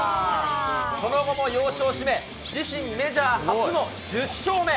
その後も要所を締め、自身メジャー初の１０勝目。